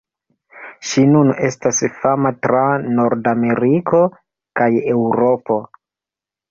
Ŝi nun estas fama tra Nordameriko kaj Eŭropo.